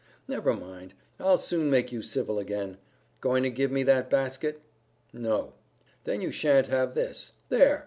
Never mind, I'll soon make you civil again. Going to give me that basket?" "No." "Then you shan't have this. There!"